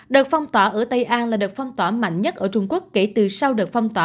đợt phong tỏa ở tây an là đợt phong tỏa mạnh nhất ở trung quốc kể từ sau đợt phong tỏa